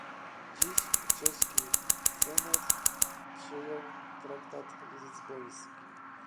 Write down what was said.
Dziś czeski senat przyjął traktat lizboński